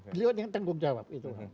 beliau yang tanggung jawab